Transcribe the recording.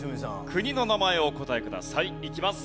国の名前をお答えください。いきます。